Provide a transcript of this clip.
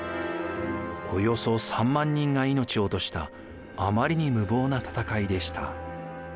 およそ３万人が命を落としたあまりに無謀な戦いでした。